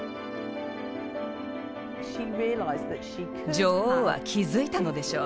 女王は気付いたのでしょう。